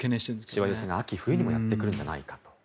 しわ寄せが秋冬にもやってくるんじゃないかと。